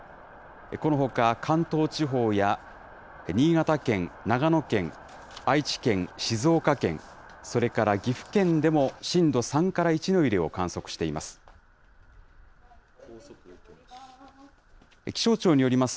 このほか関東地方や新潟県、長野県、愛知県、静岡県、それから岐阜県でも震度３から１の揺れを観測しています。